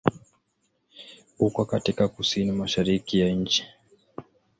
Uko katika kusini-mashariki ya nchi.